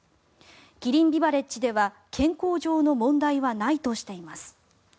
キリンビバレッジでは健康上の問題はないとしています。